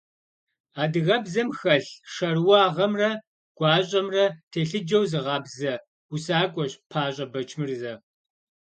Адыгэбзэм хэлъ шэрыуагъэмрэ гуащӀэмрэ телъыджэу зыгъабзэ усакӀуэщ ПащӀэ Бэчмырзэ.